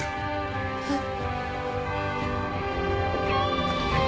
えっ。